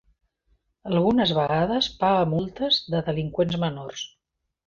Algunes vegades paga multes de delinqüents menors.